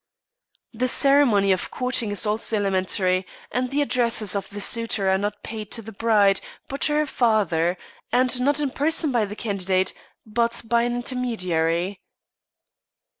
The ceremony of courting is also elementary, and the addresses of the suitor are not paid to the bride, but to her father, and not in person by the candidate, but by an intermediary.